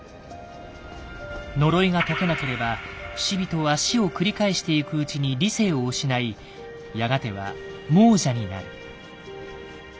呪いが解けなければ不死人は死を繰り返していくうちに理性を失いやがては亡者になる。